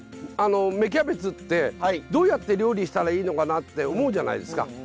芽キャベツってどうやって料理したらいいのかなって思うじゃないですか。